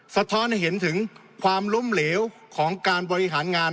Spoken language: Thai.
สะท้อนให้เห็นถึงความล้มเหลวของการบริหารงาน